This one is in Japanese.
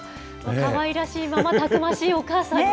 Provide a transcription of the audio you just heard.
かわいらしいママ、たくましいお母さんに。